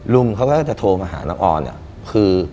รุมเค้าก็จะโทรมาหาน้องออนคือ